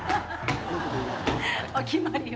お決まりの。